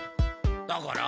だから？